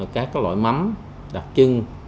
các loại mắm đặc trưng